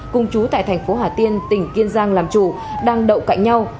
cùng chú tại thành phố hà tiên tỉnh kiên giang làm chủ đang đậu cạnh nhau